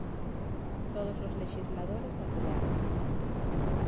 todos os lexisladores da cidade.